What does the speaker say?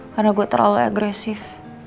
karena gue terlalu agresif